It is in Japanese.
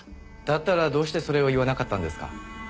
だったらどうしてそれを言わなかったんですか？